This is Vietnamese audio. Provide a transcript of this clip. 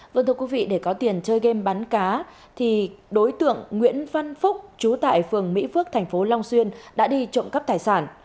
vâng thưa quý vị để có tiền chơi game bán cá thì đối tượng nguyễn văn phúc chú tại phường mỹ phước tp long xuyên đã đi trộm cắp thải sản